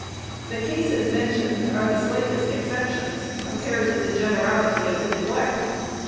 The cases mentioned are the slightest exceptions, com pared with the generality of the neglect.